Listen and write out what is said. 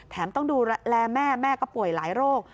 ต้องดูแลแม่แม่ก็ป่วยหลายโรค